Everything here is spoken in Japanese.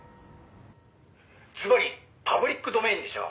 「ずばりパブリックドメインでしょう」